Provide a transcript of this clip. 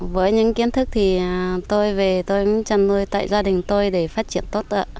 với những kiến thức thì tôi về tôi cũng chăn nuôi tại gia đình tôi để phát triển tốt